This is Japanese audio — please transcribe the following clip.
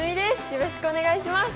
よろしくお願いします。